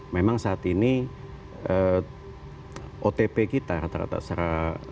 memang saat ini otp kita rata rata seratus